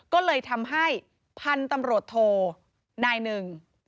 ก็เลยทำให้พันธุ์ตำรวจโทนายหนึ่ง